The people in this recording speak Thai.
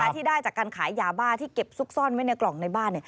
ที่ได้จากการขายยาบ้าที่เก็บซุกซ่อนไว้ในกล่องในบ้าน